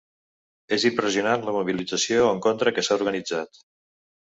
És impressionant la mobilització en contra que s’ha organitzat.